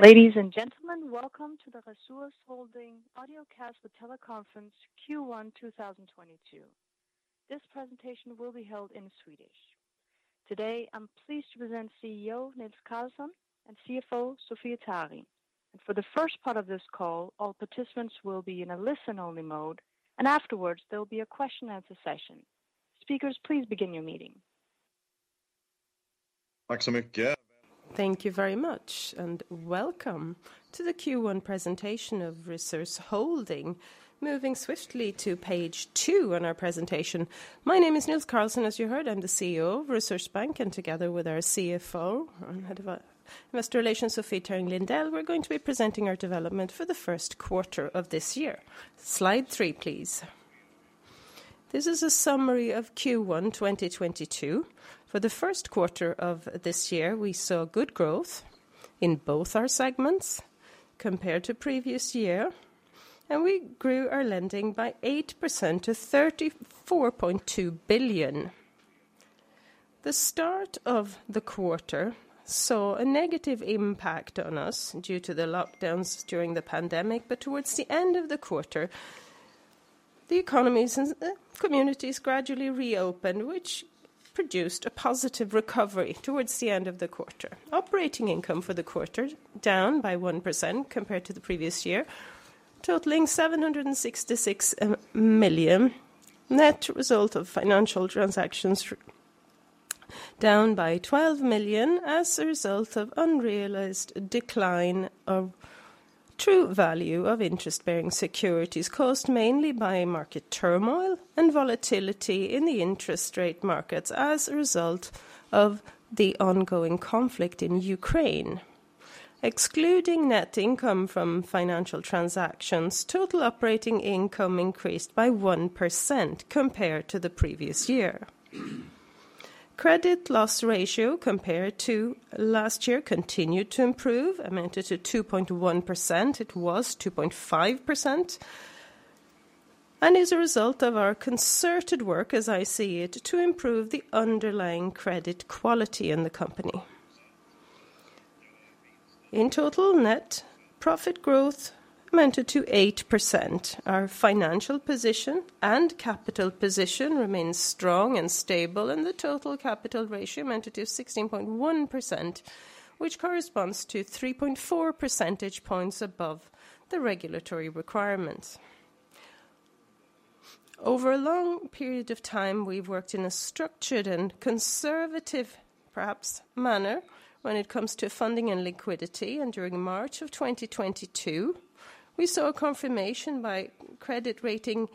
Ladies and gentlemen, welcome to the Resurs Holding audiocast for teleconference Q1 2022. This presentation will be held in Swedish. Today, I'm pleased to present CEO Nils Carlsson and CFO Sofie Tarring Lindell. For the first part of this call, all participants will be in a listen-only mode, and afterwards there'll be a question answer session. Speakers, please begin your meeting. Thank you very much, and welcome to the Q1 presentation of Resurs Holding. Moving swiftly to Page 2 on our presentation. My name is Nils Carlsson, as you heard. I'm the CEO of Resurs Bank, and together with our CFO and Head of Investor Relations, Sofie Tarring Lindell, we're going to be presenting our development for the 1st quarter of this year. Slide 3, please. This is a summary of Q1 2022. For the 1st quarter of this year, we saw good growth in both our segments compared to previous year, and we grew our lending by 8% to 34.2 billion. The start of the quarter saw a negative impact on us due to the lockdowns during the pandemic, but towards the end of the quarter, the economies and the communities gradually reopened, which produced a positive recovery towards the end of the quarter. Operating income for the quarter down by 1% compared to the previous year, totaling 766 million. Net result of financial transactions down by 12 million as a result of unrealized decline of true value of interest-bearing securities caused mainly by market turmoil and volatility in the interest rate markets as a result of the ongoing conflict in Ukraine. Excluding net income from financial transactions, total operating income increased by 1% compared to the previous year. Credit loss ratio compared to last year continued to improve, amounted to 2.1%. It was 2.5%, and is a result of our concerted work, as I see it, to improve the underlying credit quality in the company. In total, net profit growth amounted to 8%. Our financial position and capital position remains strong and stable, and the total capital ratio amounted to 16.1%, which corresponds to 3.4 percentage points above the regulatory requirements. Over a long period of time, we've worked in a structured and conservative, perhaps, manner when it comes to funding and liquidity. During March of 2022, we saw a confirmation by credit rating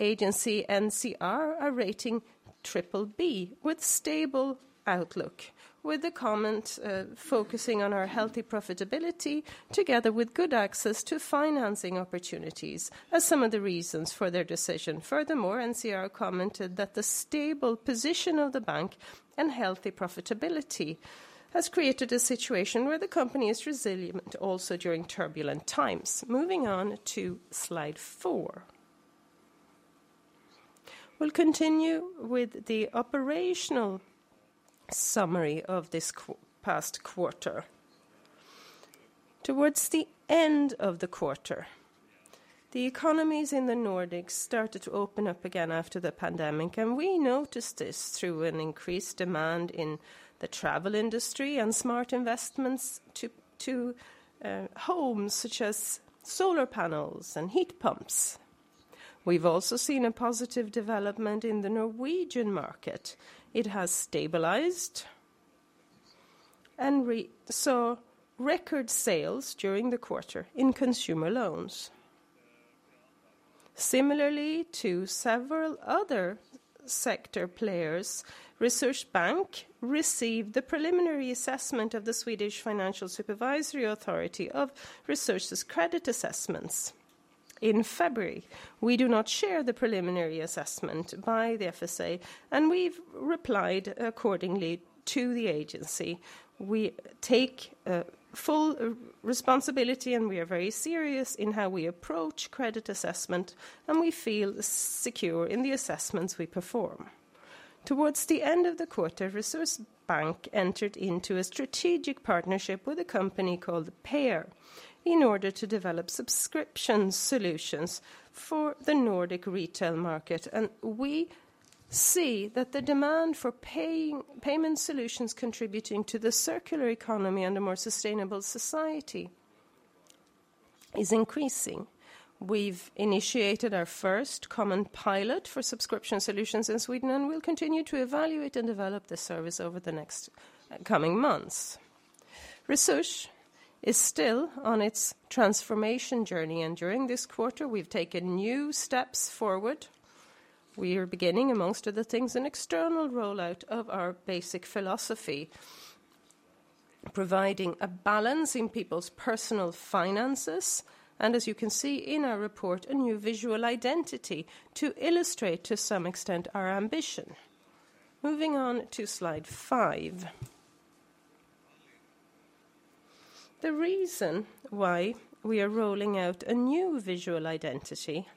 agency NCR, a rating BBB with stable outlook, with the comment focusing on our healthy profitability together with good access to financing opportunities as some of the reasons for their decision. Furthermore, NCR commented that the stable position of the bank and healthy profitability has created a situation where the company is resilient also during turbulent times. Moving on to Slide 4. We'll continue with the operational summary of the past quarter. Towards the end of the quarter, the economies in the Nordics started to open up again after the pandemic, and we noticed this through an increased demand in the travel industry and smart investments to homes such as solar panels and heat pumps. We've also seen a positive development in the Norwegian market. It has stabilized and we saw record sales during the quarter in consumer loans. Similarly to several other sector players, Resurs Bank received the preliminary assessment of the Swedish Financial Supervisory Authority of Resurs' credit assessments in February. We do not share the preliminary assessment by the FSA, and we've replied accordingly to the agency. We take full responsibility, and we are very serious in how we approach credit assessment, and we feel secure in the assessments we perform. Towards the end of the quarter, Resurs Bank entered into a strategic partnership with a company called Payer in order to develop subscription solutions for the Nordic retail market. We see that the demand for payment solutions contributing to the circular economy and a more sustainable society is increasing. We've initiated our first common pilot for subscription solutions in Sweden, and we'll continue to evaluate and develop this service over the next coming months. Resurs is still on its transformation journey, and during this quarter, we've taken new steps forward. We are beginning, among other things, an external rollout of our basic philosophy, providing a balance in people's personal finances, and as you can see in our report, a new visual identity to illustrate to some extent our ambition. Moving on to Slide 5. The reason why we are rolling out a new visual identity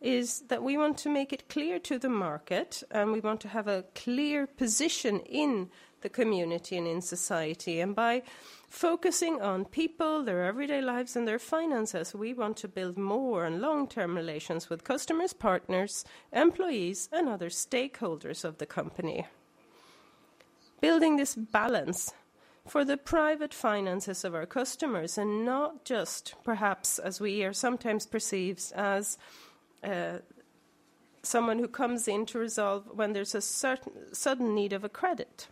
is that we want to make it clear to the market, and we want to have a clear position in the community and in society. By focusing on people, their everyday lives, and their finances, we want to build more and long-term relations with customers, partners, employees, and other stakeholders of the company. Building this balance for the private finances of our customers and not just perhaps as we are sometimes perceived as, someone who comes in to resolve when there's a sudden need for credit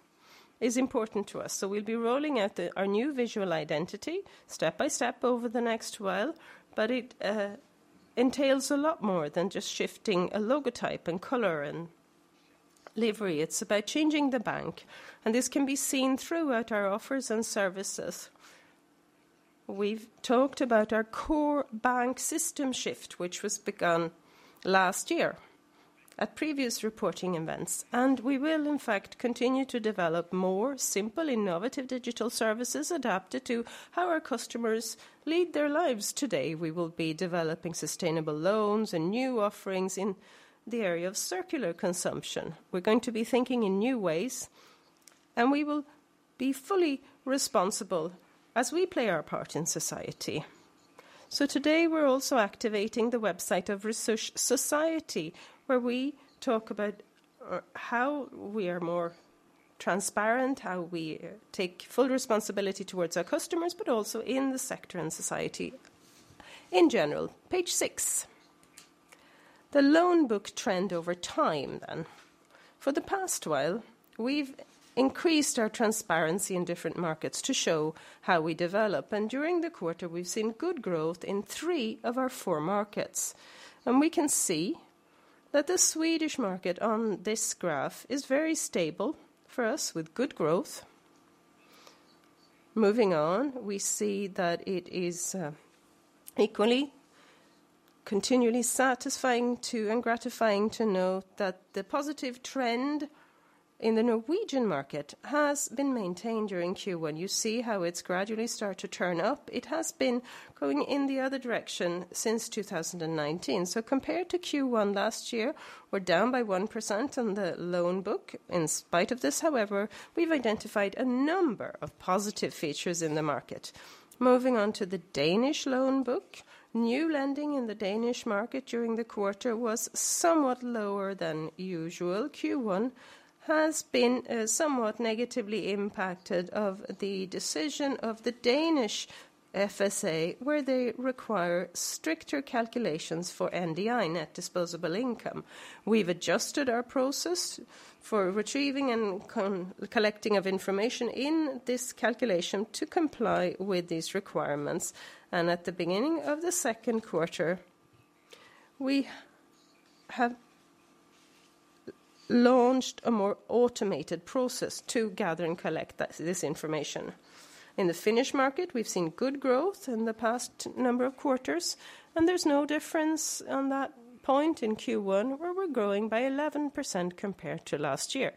is important to us. We'll be rolling out our new visual identity step by step over the next while, but it entails a lot more than just shifting a logotype and color and livery. It's about changing the bank, and this can be seen throughout our offers and services. We've talked about our core bank system shift, which was begun last year at previous reporting events, and we will in fact continue to develop more simple, innovative digital services adapted to how our customers lead their lives today. We will be developing sustainable loans and new offerings in the area of circular consumption. We're going to be thinking in new ways, and we will be fully responsible as we play our part in society. Today, we're also activating the website of Resurs Society, where we talk about how we are more transparent, how we take full responsibility towards our customers but also in the sector and society in general. Page 6. The loan book trend over time then. For the past while, we've increased our transparency in different markets to show how we develop, and during the quarter, we've seen good growth in three of our four markets. We can see that the Swedish market on this graph is very stable for us with good growth. Moving on, we see that it is equally and continually satisfying and gratifying to know that the positive trend in the Norwegian market has been maintained during Q1. You see how it's gradually start to turn up. It has been going in the other direction since 2019. Compared to Q1 last year, we're down by 1% on the loan book. In spite of this, however, we've identified a number of positive features in the market. Moving on to the Danish loan book. New lending in the Danish market during the quarter was somewhat lower than usual. Q1 has been somewhat negatively impacted by the decision of the Danish FSA, where they require stricter calculations for NDI, net disposable income. We've adjusted our process for retrieving and collecting of information in this calculation to comply with these requirements. At the beginning of the 2nd quarter, we have launched a more automated process to gather and collect this information. In the Finnish market, we've seen good growth in the past number of quarters, and there's no difference on that point in Q1, where we're growing by 11% compared to last year.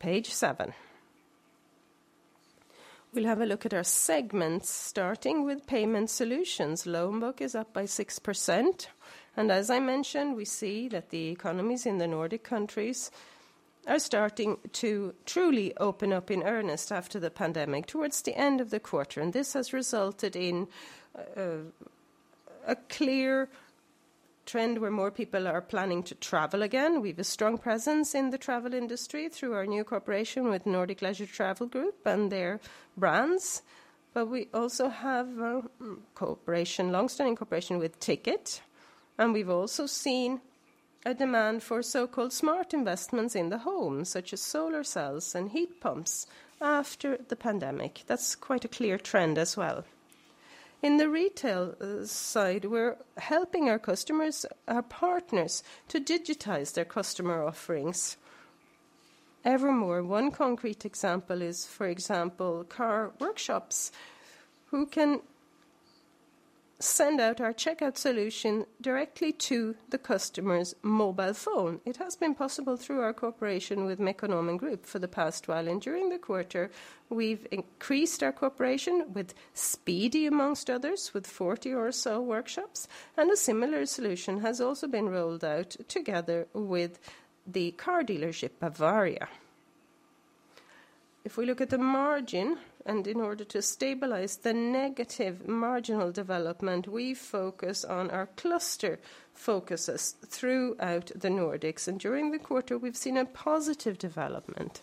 Page 7. We'll have a look at our segments starting with Payment Solutions. Loan book is up by 6%, and as I mentioned, we see that the economies in the Nordic countries are starting to truly open up in earnest after the pandemic towards the end of the quarter. This has resulted in a clear trend where more people are planning to travel again. We have a strong presence in the travel industry through our new cooperation with Nordic Leisure Travel Group and their brands. We also have a cooperation, long-standing cooperation with Ticket, and we've also seen a demand for so-called smart investments in the home, such as solar cells and heat pumps after the pandemic. That's quite a clear trend as well. In the retail side, we're helping our customers, our partners to digitize their customer offerings evermore. One concrete example is, for example, car workshops who can send out our checkout solution directly to the customer's mobile phone. It has been possible through our cooperation with Mekonomen Group for the past while, and during the quarter, we've increased our cooperation with Speedy amongst others, with 40 or so workshops, and a similar solution has also been rolled out together with the car dealership, Bavaria. If we look at the margin and in order to stabilize the negative marginal development, we focus on our cluster focuses throughout the Nordics. During the quarter, we've seen a positive development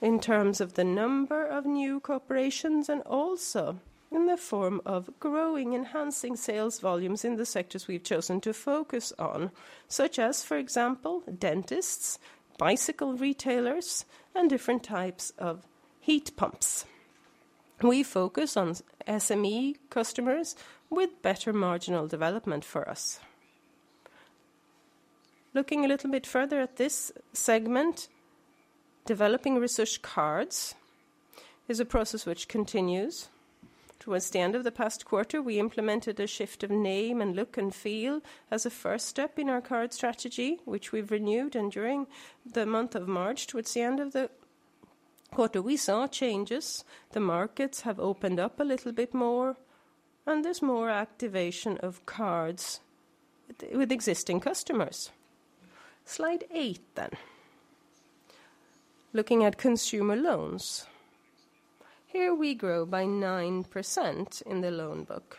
in terms of the number of new corporations and also in the form of growing, enhancing sales volumes in the sectors we've chosen to focus on, such as, for example, dentists, bicycle retailers, and different types of heat pumps. We focus on SME customers with better marginal development for us. Looking a little bit further at this segment, developing Resurs card is a process which continues. Towards the end of the past quarter, we implemented a shift of name and look and feel as a first step in our card strategy, which we've renewed. During the month of March, towards the end of the quarter, we saw changes. The markets have opened up a little bit more, and there's more activation of cards with existing customers. Slide 8 then. Looking at consumer loans. Here we grow by 9% in the loan book.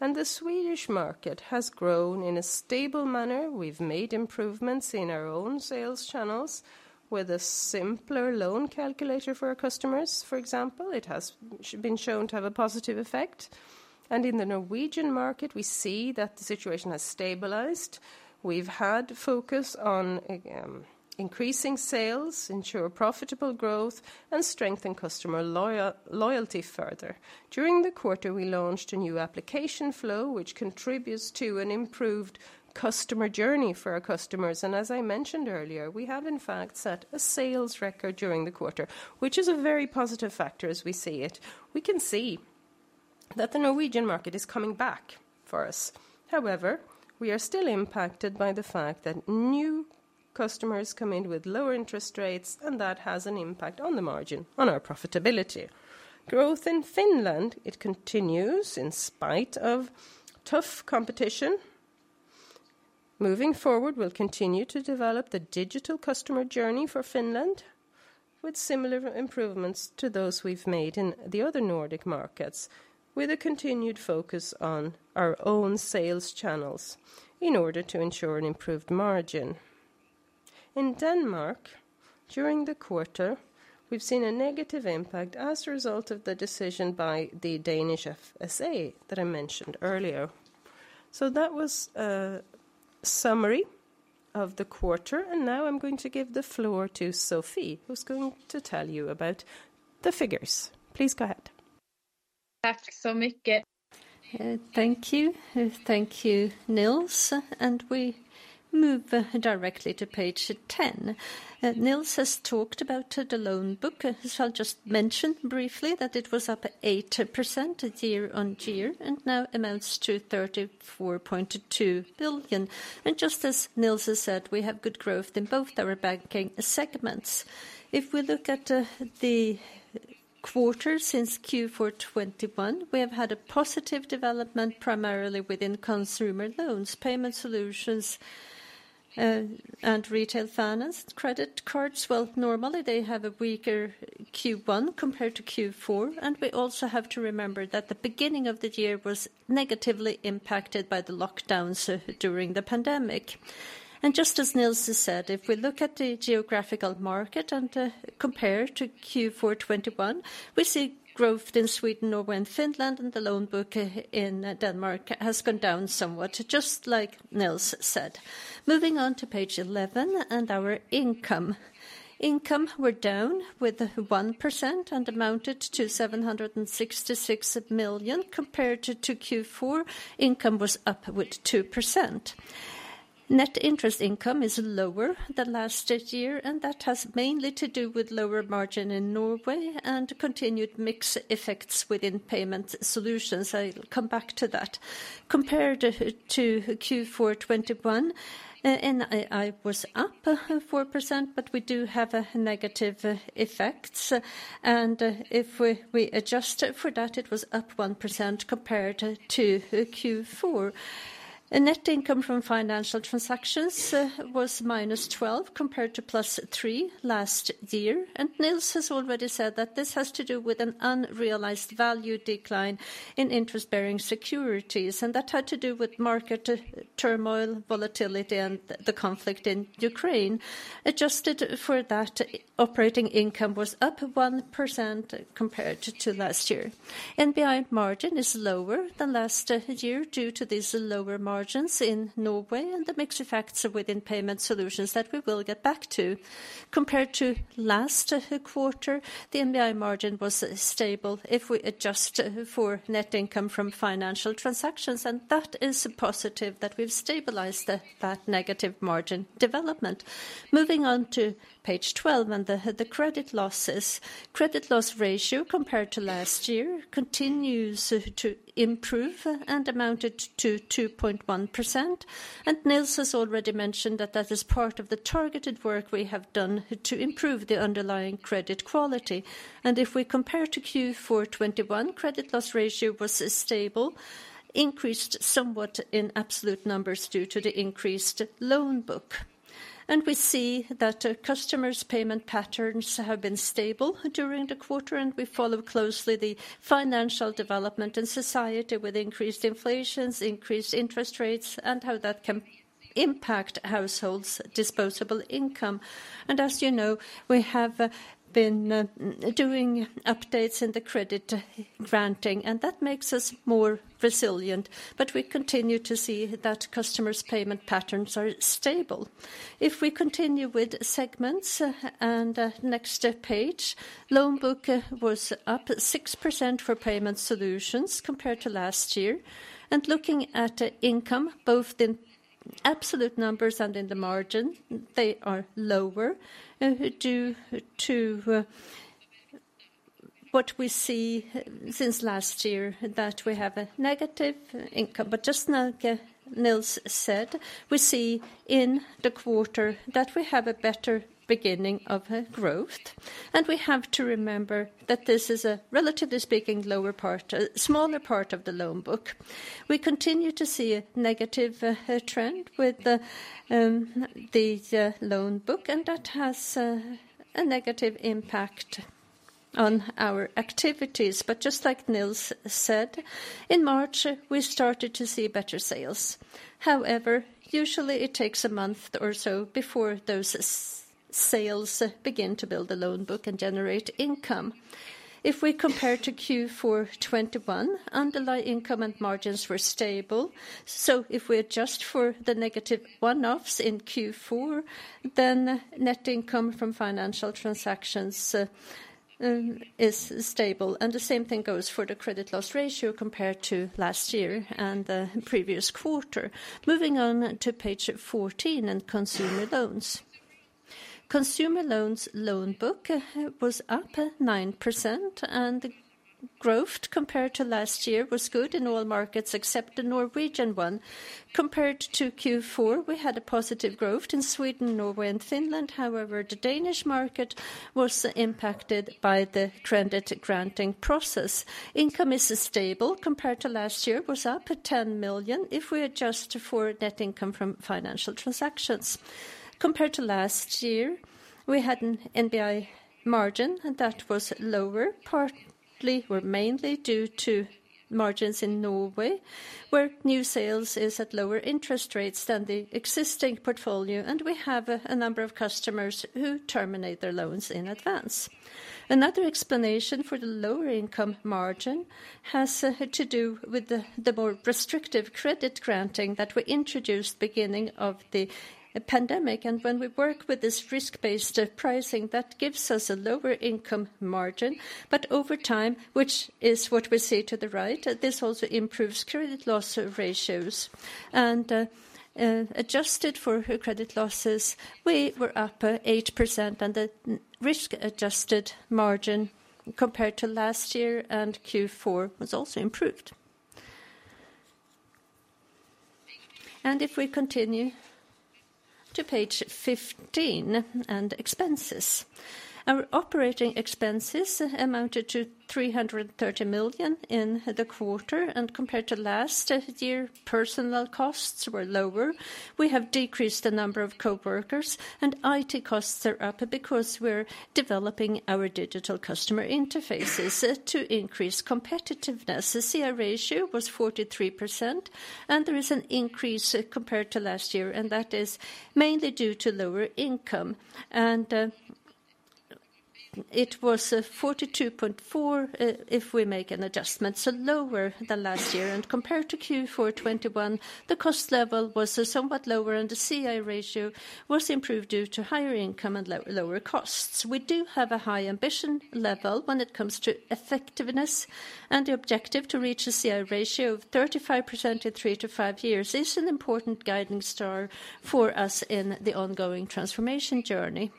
The Swedish market has grown in a stable manner. We've made improvements in our own sales channels with a simpler loan calculator for our customers, for example. It has been shown to have a positive effect. In the Norwegian market, we see that the situation has stabilized. We've had focus on increasing sales, ensure profitable growth, and strengthen customer loyalty further. During the quarter, we launched a new application flow, which contributes to an improved customer journey for our customers. As I mentioned earlier, we have in fact set a sales record during the quarter, which is a very positive factor as we see it. We can see that the Norwegian market is coming back for us. However, we are still impacted by the fact that new customers come in with lower interest rates, and that has an impact on the margin and on our profitability. Growth in Finland continues in spite of tough competition. Moving forward, we'll continue to develop the digital customer journey for Finland with similar improvements to those we've made in the other Nordic markets, with a continued focus on our own sales channels in order to ensure an improved margin. In Denmark, during the quarter, we've seen a negative impact as a result of the decision by the Danish FSA that I mentioned earlier. That was a summary of the quarter, and now I'm going to give the floor to Sofie, who's going to tell you about the figures. Please go ahead. Thank you. Thank you, Nils. We move directly to Page 10. Nils has talked about the loan book. As I'll just mention briefly that it was up 8% year-on-year and now amounts to 34.2 billion. Just as Nils has said, we have good growth in both our banking segments. If we look at the quarter since Q4 2021, we have had a positive development primarily within consumer loans, payment solutions, and retail finance credit cards. Well, normally they have a weaker Q1 compared to Q4, and we also have to remember that the beginning of the year was negatively impacted by the lockdowns during the pandemic. Just as Nils has said, if we look at the geographical market and compare to Q4 2021, we see growth in Sweden, Norway, and Finland, and the loan book in Denmark has gone down somewhat, just like Nils said. Moving on to Page 11 and our income. Income were down with 1% and amounted to 766 million compared to Q4 income was up with 2%. Net interest income is lower than last year, and that has mainly to do with lower margin in Norway and continued mixed effects within Payment Solutions. I'll come back to that. Compared to Q4 2021, NII was up 4%, but we do have negative effects. If we adjust it for that, it was up 1% compared to Q4. Net income from financial transactions was -12 compared to +3 last year. Nils has already said that this has to do with an unrealized value decline in interest-bearing securities, and that had to do with market turmoil, volatility, and the conflict in Ukraine. Adjusted for that, operating income was up 1% compared to last year. NBI margin is lower than last year due to these lower margins in Norway and the mixed effects within Payment Solutions that we will get back to. Compared to last quarter, the NBI margin was stable if we adjust for net income from financial transactions, and that is positive that we've stabilized that negative margin development. Moving on to Page 12 and the credit losses. Credit loss ratio compared to last year continues to improve and amounted to 2.1%. Nils has already mentioned that is part of the targeted work we have done to improve the underlying credit quality. If we compare to Q4 2021, credit loss ratio was stable, increased somewhat in absolute numbers due to the increased loan book. We see that customers' payment patterns have been stable during the quarter, and we follow closely the financial development in society with increased inflation, increased interest rates, and how that can impact households' disposable income. As you know, we have been doing updates in the credit granting, and that makes us more resilient. We continue to see that customers' payment patterns are stable. If we continue with segments and next page, loan book was up 6% for Payment Solutions compared to last year. Looking at income, both in absolute numbers and in the margin, they are lower due to what we see since last year that we have a negative income. Just like Nils said, we see in the quarter that we have a better beginning of a growth, and we have to remember that this is a relatively speaking lower part, smaller part of the loan book. We continue to see a negative trend with the loan book, and that has a negative impact on our activities. Just like Nils said, in March, we started to see better sales. However, usually it takes a month or so before those sales begin to build the loan book and generate income. If we compare to Q4 2021, underlying income and margins were stable. If we adjust for the negative one-offs in Q4, then net income from financial transactions is stable. The same thing goes for the credit loss ratio compared to last year and the previous quarter. Moving on to Page 14 and consumer loans. Consumer loans loan book was up 9%, and growth compared to last year was good in all markets except the Norwegian one. Compared to Q4, we had a positive growth in Sweden, Norway, and Finland. However, the Danish market was impacted by the credit granting process. Income is stable compared to last year, was up at 10 million if we adjust for net income from financial transactions. Compared to last year, we had an NBI margin, and that was lower partly or mainly due to margins in Norway, where new sales is at lower interest rates than the existing portfolio, and we have a number of customers who terminate their loans in advance. Another explanation for the lower income margin has to do with the more restrictive credit granting that were introduced beginning of the pandemic. When we work with this risk-based pricing, that gives us a lower income margin. Over time, which is what we see to the right, this also improves credit loss ratios. Adjusted for credit losses, we were up 8% on the risk-adjusted margin compared to last year, and Q4 was also improved. If we continue to Page 15 and expenses. Our operating expenses amounted to 330 million in the quarter, and compared to last year, personnel costs were lower. We have decreased the number of coworkers, and IT costs are up because we're developing our digital customer interfaces to increase competitiveness. The C/I ratio was 43%, and there is an increase compared to last year, and that is mainly due to lower income. It was 42.4 if we make an adjustment, so lower than last year. Compared to Q4 2021, the cost level was somewhat lower, and the C/I ratio was improved due to higher income and lower costs. We do have a high ambition level when it comes to effectiveness, and the objective to reach a C/I ratio of 35% in 3-5 years is an important guiding star for us in the ongoing transformation journey.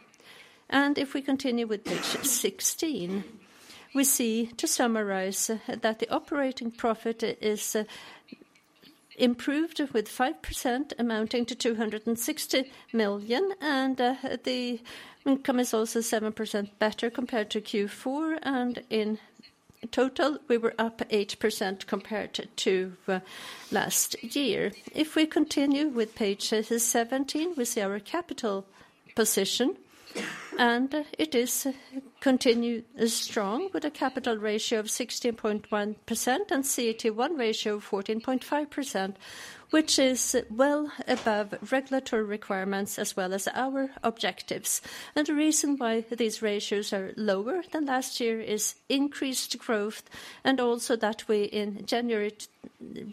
If we continue with Page 16, we see, to summarize, that the operating profit is improved with 5%, amounting to 260 million, and the income is also 7% better compared to Q4. In total, we were up 8% compared to last year. If we continue with Page 17, we see our capital position, and it is continuing strong with a capital ratio of 16.1% and CET1 ratio of 14.5%, which is well above regulatory requirements as well as our objectives. The reason why these ratios are lower than last year is increased growth and also that we in January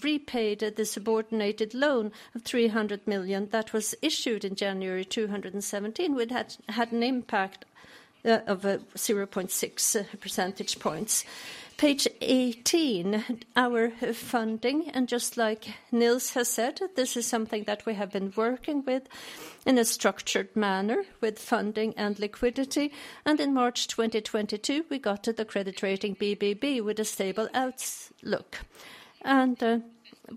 repaid the subordinated loan of 300 million that was issued in January 2017. We'd had an impact of 0.6 percentage points. Page 18, our funding. Just like Nils has said, this is something that we have been working with in a structured manner with funding and liquidity. In March 2022, we got to the credit rating BBB with a stable outlook.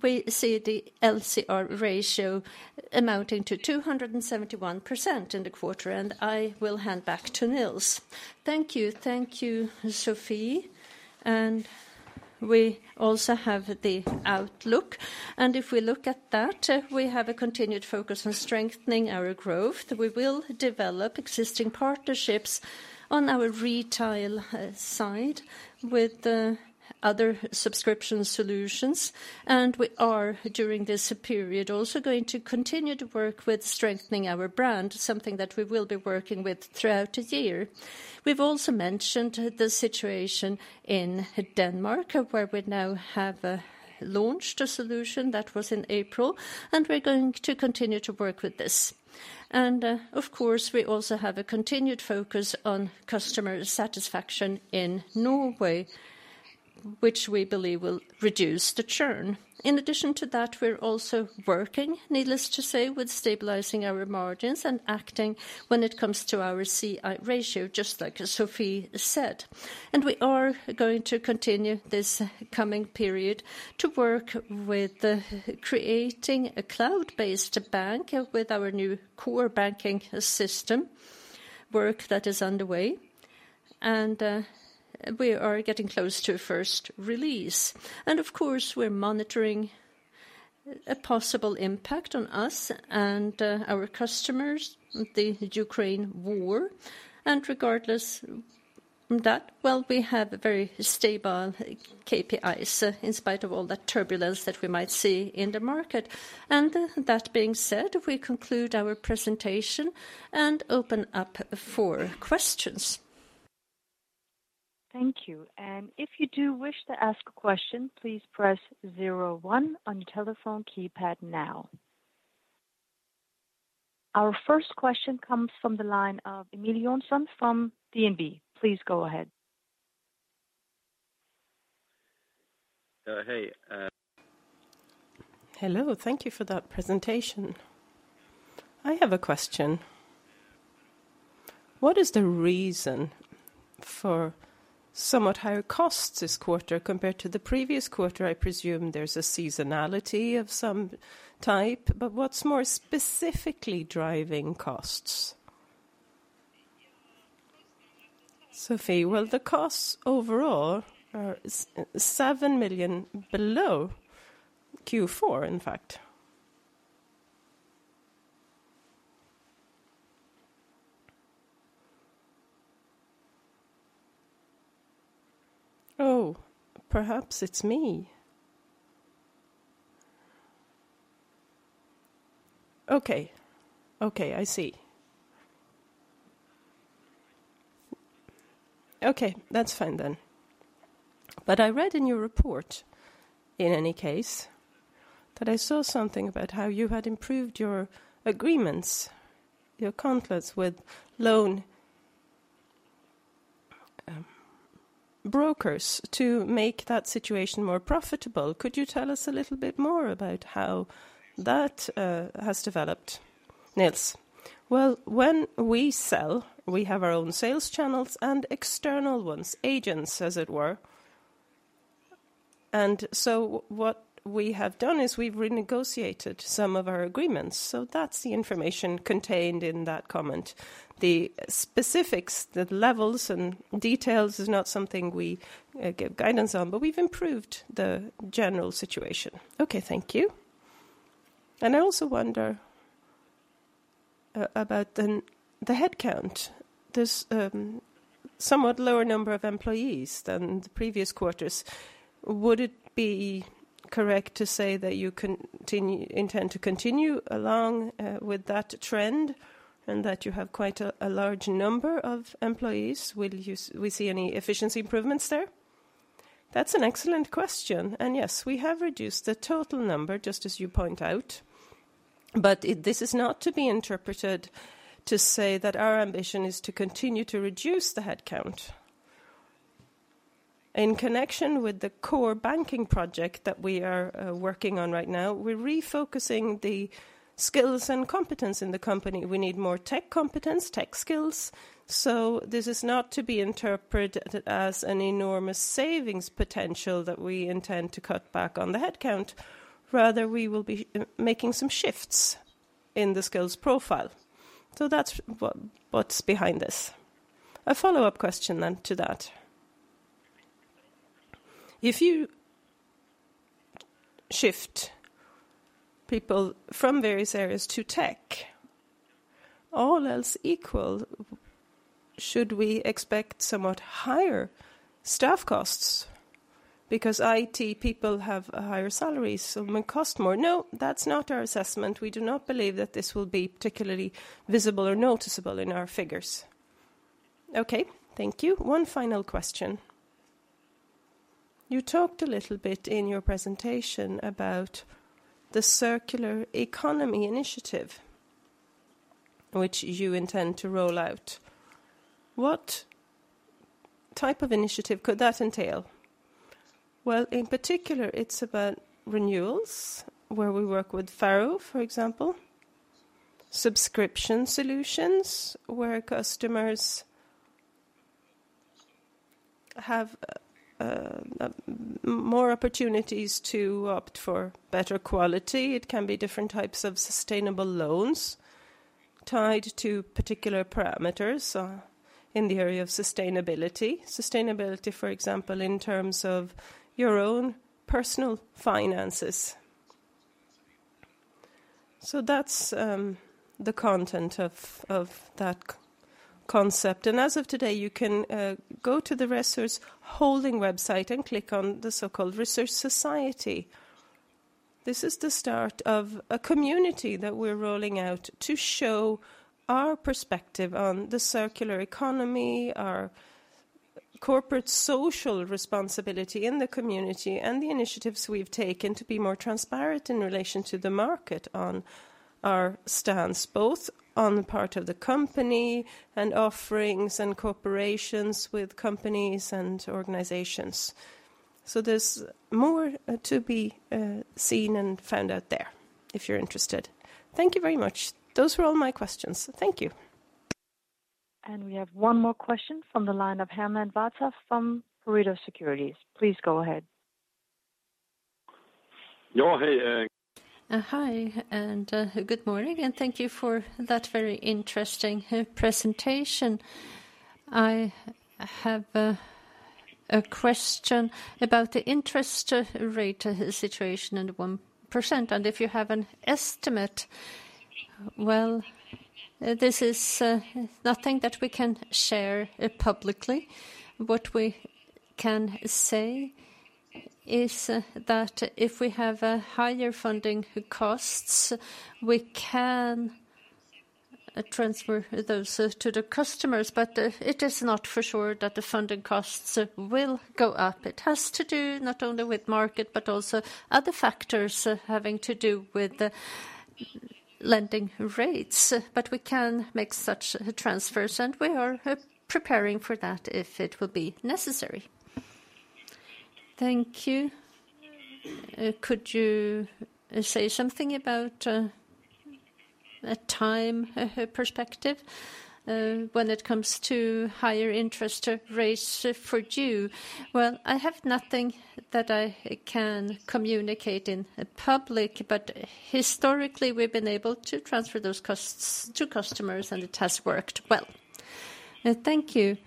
We see the LCR ratio amounting to 271% in the quarter. I will hand back to Nils. Thank you. Thank you, Sofie. We also have the outlook. If we look at that, we have a continued focus on strengthening our growth. We will develop existing partnerships on our retail side with the other subscription solutions. We are, during this period, also going to continue to work with strengthening our brand, something that we will be working with throughout the year. We've also mentioned the situation in Denmark, where we now have launched a solution that was in April, and we're going to continue to work with this. Of course, we also have a continued focus on customer satisfaction in Norway. Which we believe will reduce the churn. In addition to that, we're also working, needless to say, with stabilizing our margins and acting when it comes to our C/I ratio, just like Sofie said. We are going to continue this coming period to work with creating a cloud-based bank with our new core banking system work that is underway. We are getting close to a first release. Of course, we're monitoring a possible impact on us and our customers, the Ukraine war. Regardless that, well, we have very stable KPIs in spite of all the turbulence that we might see in the market. That being said, we conclude our presentation and open up for questions. Thank you. If you do wish to ask a question, please press 01 on your telephone keypad now. Our first question comes from the line of Emil Jonsson from DNB. Please go ahead. Hello. Thank you for that presentation. I have a question. What is the reason for somewhat higher costs this quarter compared to the previous quarter? I presume there's a seasonality of some type, but what's more specifically driving costs? Sofie. Well, the costs overall are 7 million below Q4, in fact. Oh, perhaps it's me. Okay. Okay, I see. Okay, that's fine then. But I read in your report, in any case, that I saw something about how you had improved your agreements, your contracts with loan brokers to make that situation more profitable. Could you tell us a little bit more about how that has developed? Nils. Well, when we sell, we have our own sales channels and external ones, agents as it were. What we have done is we've renegotiated some of our agreements, so that's the information contained in that comment. The specifics, the levels and details is not something we give guidance on, but we've improved the general situation. Okay. Thank you. I also wonder about the headcount. There's somewhat lower number of employees than the previous quarters. Would it be correct to say that you intend to continue along with that trend and that you have quite a large number of employees? Will we see any efficiency improvements there? That's an excellent question. Yes, we have reduced the total number just as you point out. This is not to be interpreted to say that our ambition is to continue to reduce the headcount. In connection with the core banking project that we are working on right now, we're refocusing the skills and competence in the company. We need more tech competence, tech skills, so this is not to be interpreted as an enormous savings potential that we intend to cut back on the headcount. Rather, we will be making some shifts in the skills profile. That's what's behind this. A follow-up question to that. If you shift people from various areas to tech, all else equal, should we expect somewhat higher staff costs because IT people have higher salaries so may cost more? No, that's not our assessment. We do not believe that this will be particularly visible or noticeable in our figures. Okay. Thank you. One final question. You talked a little bit in your presentation about the circular economy initiative which you intend to roll out. What type of initiative could that entail? Well, in particular it's about renewals we work with Flero, for example. Subscription solutions where customers have more opportunities to opt for better quality. It can be different types of sustainable loans tied to particular parameters in the area of sustainability. Sustainability, for example, in terms of your own personal finances. That's the content of that concept. As of today, you can go to the Resurs Holding website and click on the so-called Resurs Society. This is the start of a community that we're rolling out to show our perspective on the circular economy, our corporate social responsibility in the community, and the initiatives we've taken to be more transparent in relation to the market on our stance, both on the part of the company and offerings and cooperations with companies and organizations. There's more to be seen and found out there if you're interested. Thank you very much. Those were all my questions. Thank you. We have one more question from the line of Herman Wartoft from Pareto Securities. Please go ahead. No. Hey, Hi, and good morning, and thank you for that very interesting presentation. I have a question about the interest rate situation and the 1%, and if you have an estimate. Well, this is nothing that we can share publicly. What we can say is that if we have higher funding costs, we can transfer those to the customers, but it is not for sure that the funding costs will go up. It has to do not only with market, but also other factors having to do with lending rates. But we can make such transfers, and we are preparing for that if it will be necessary. Thank you. Could you say something about a time perspective, when it comes to higher interest rates for you? Well, I have nothing that I can communicate in public, but historically, we've been able to transfer those costs to customers and it has worked well. Thank you.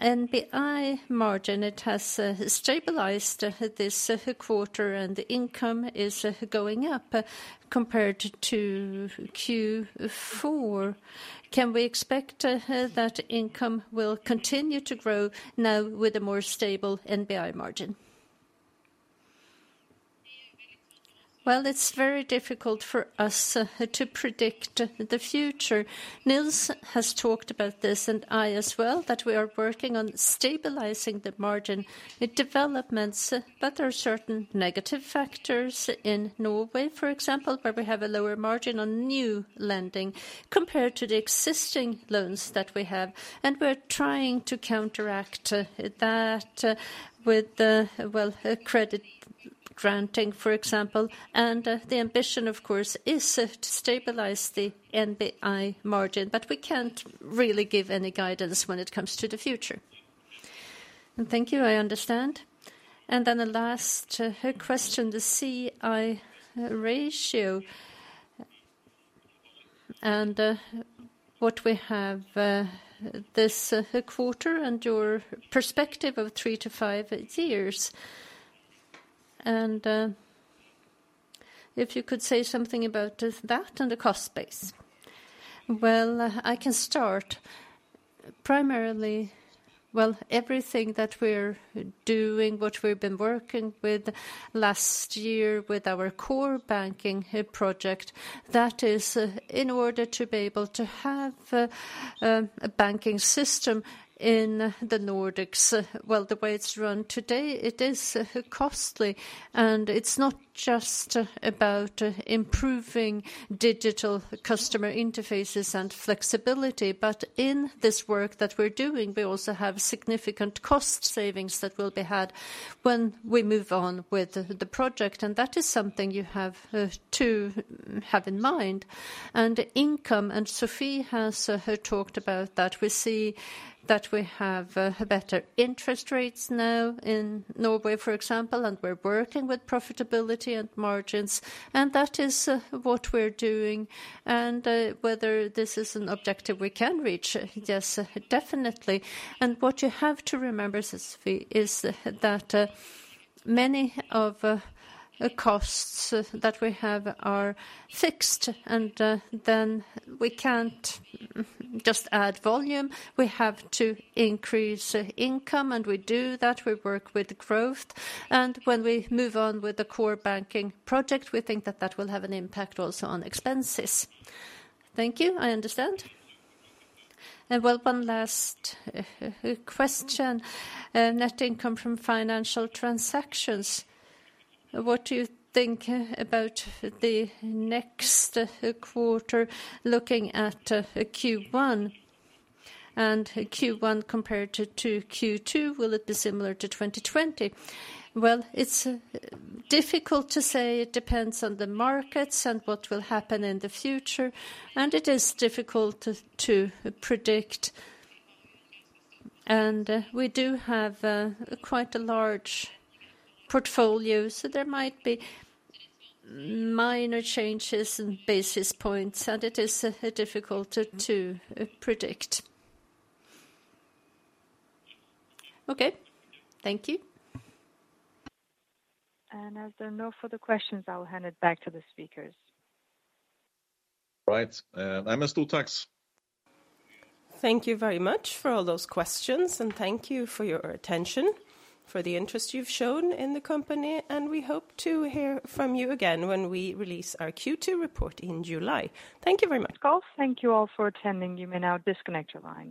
NBI margin, it has stabilized this quarter, and the income is going up compared to Q4. Can we expect that income will continue to grow now with a more stable NBI margin? Well, it's very difficult for us to predict the future. Nils has talked about this, and I as well, that we are working on stabilizing the margin developments, but there are certain negative factors in Norway, for example, where we have a lower margin on new lending compared to the existing loans that we have, and we're trying to counteract that with well, credit granting, for example. The ambition, of course, is to stabilize the NBI margin, but we can't really give any guidance when it comes to the future. Thank you. I understand. Then the last question, the C/I ratio and what we have this quarter and your perspective of three to five years. If you could say something about that and the cost base. Well, I can start. Well, everything that we're doing, what we've been working with last year with our core banking project, that is in order to be able to have a banking system in the Nordics. Well, the way it's run today, it is costly, and it's not just about improving digital customer interfaces and flexibility, but in this work that we're doing, we also have significant cost savings that will be had when we move on with the project, and that is something you have to have in mind, income, and Sofie has talked about that. We see that we have better interest rates now in Norway, for example, and we're working with profitability and margins, and that is what we're doing. Whether this is an objective we can reach, yes, definitely. What you have to remember, Sofie, is that many of costs that we have are fixed, and then we can't just add volume. We have to increase income, and we do that. We work with growth. When we move on with the core banking project, we think that will have an impact also on expenses. Thank you. I understand. Well, one last question. Net income from financial transactions. What do you think about the next quarter looking at Q1 and Q1 compared to Q2? Will it be similar to 2020? Well, it's difficult to say. It depends on the markets and what will happen in the future, and it is difficult to predict. We do have quite a large portfolio, so there might be minor changes in basis points, and it is difficult to predict. Okay. Thank you. As there are no further questions, I will hand it back to the speakers. Right. Thank you very much for all those questions, and thank you for your attention, for the interest you've shown in the company, and we hope to hear from you again when we release our Q2 report in July. Thank you very much. Thank you all for attending. You may now disconnect your line.